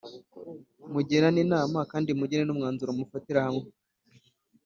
mugirane inama, kandi mugire n’umwanzuro mufatira hamwe.